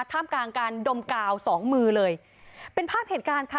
ท่ามกลางการดมกาวสองมือเลยเป็นภาพเหตุการณ์ค่ะ